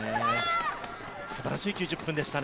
すばらしい９０分でしたね。